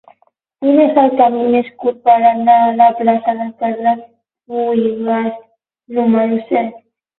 Quin és el camí més curt per anar a la plaça de Carles Buïgas número set?